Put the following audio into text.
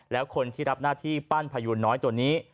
แล้วคนที่รับหน้าที่ปั้นพยูนน้อยตัวนี้